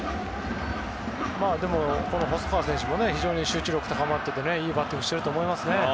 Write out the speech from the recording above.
でも細川選手も集中力が高まっていていいバッティングしてると思います。